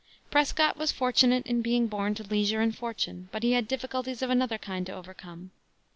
Prescott was fortunate in being born to leisure and fortune, but he had difficulties of another kind to overcome.